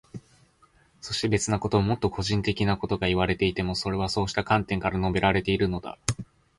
そして、別なこと、もっと個人的なことがいわれていても、それはそうした観点から述べられているのだ。